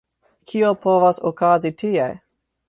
Kio povas okazi tie?